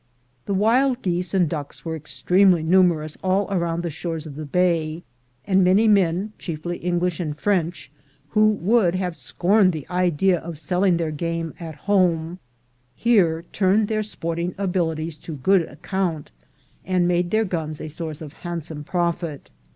The wild geese and ducks were extremely numer ous all round the shores of the bay, and many men, chiefly English and French, who would have scorned the idea of selling their game at home, here turned their sporting abilities to good account, and made their guns a source of handsome profit.